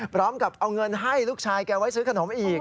พร้อมกับเอาเงินให้ลูกชายแกไว้ซื้อขนมอีก